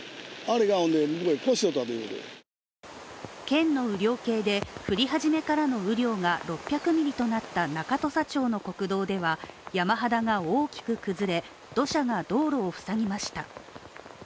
県の雨量計で降り始めからの雨量が６００ミリとなった中土佐町の国道では山肌が大きく崩れ土砂が道路を塞ぎました。